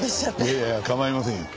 いやいや構いませんよ。